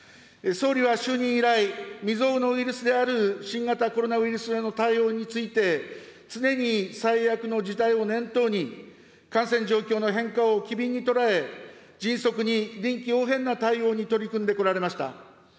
総理は就任以来、未曽有のウイルスである新型コロナウイルスへの対応について、常に最悪の事態を念頭に、感染状況の変化を機敏に捉え、迅速に臨機応変な対応に取り組んでこられました。